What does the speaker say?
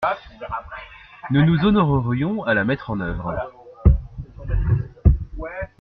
Nous nous honorerions à la mettre en œuvre.